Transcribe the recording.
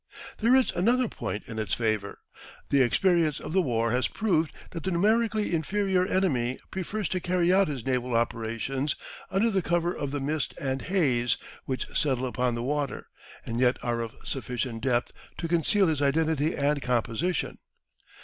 There is another point in its favour. The experience of the war has proved that the numerically inferior enemy prefers to carry out his naval operations under the cover of the mist and haze which settle upon the water, and yet are of sufficient depth to conceal his identity and composition.